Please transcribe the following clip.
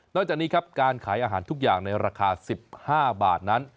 จากนี้ครับการขายอาหารทุกอย่างในราคา๑๕บาทนั้น